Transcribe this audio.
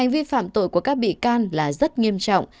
hành vi phạm tội của các bị can là rất nghiêm trọng